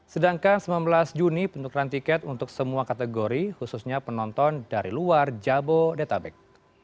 sedangkan sembilan belas juni penukaran tiket untuk semua kategori khususnya penonton dari luar jabodetabek